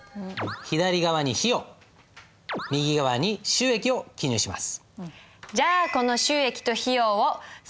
左側に費用右側に収益を記入します。